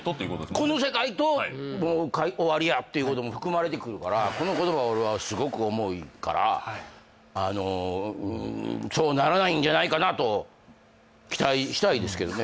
この世界ともう終わりやっていうことも含まれてくるからこの言葉俺はすごく重いからあのうんそうならないんじゃないかなと期待したいですけどね